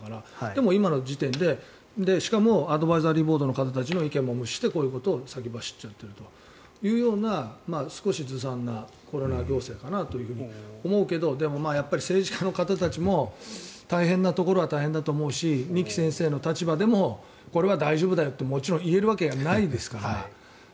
でも今の時点でしかもアドバイザリーボードの方たちの意見も無視してこういうことを先走っちゃうということで少しずさんなコロナ行政かなと思うけどでも政治家の方たちも大変なところは大変だと思うし二木先生も立場でもこれは大丈夫だよと言えるわけがないですから。